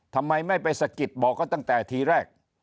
ทำไมไม่ไปสะกิดบอกเขาตั้งแต่ทีแรก